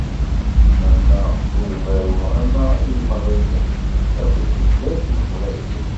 Ama i umaru ama i yimeɣriyen akked tutlayt n Teqbaylit.